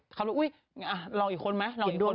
เขาบอกอุ๊ยลองอีกคนไหมลองอีกคนไหม